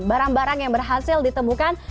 barang barang yang berhasil ditemukan